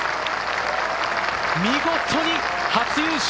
見事に初優勝！